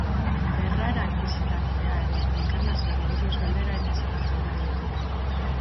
Berraragiztatzea edo reenkarnazioari buruz galdera eta zalantza ugari ditugu.